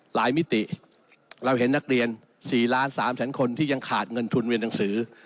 มิติเราเห็นนักเรียน๔ล้าน๓แสนคนที่ยังขาดเงินทุนเรียนหนังสือ